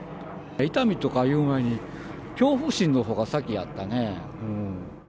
傷みとかいう前に、恐怖心のほうが先やったね。